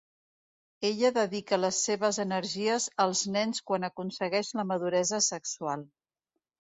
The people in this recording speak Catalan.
Ella dedica les seves energies als nens quan aconsegueix la maduresa sexual.